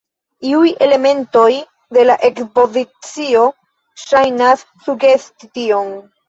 Iuj elementoj de la ekspozicio ŝajnas sugesti tion.